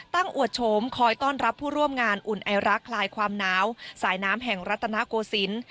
อวดโฉมคอยต้อนรับผู้ร่วมงานอุ่นไอรักคลายความหนาวสายน้ำแห่งรัฐนาโกศิลป์